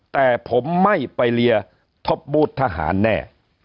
แต่ผมไม่ไปเรียร์ทบบุตรทหารแน่